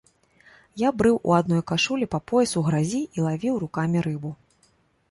Я брыў у адной кашулі па пояс у гразі і лавіў рукамі рыбу.